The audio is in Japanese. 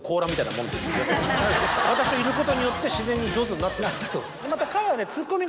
私といることによって自然に上手になった。